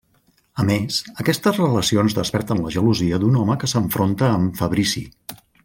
A més, aquestes relacions desperten la gelosia d'un home que s'enfronta amb Fabrici.